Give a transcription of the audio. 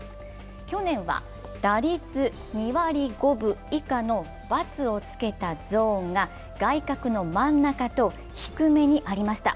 去年は打率２割５分以下の×をつけたゾーンが外角の真ん中と低めにありました。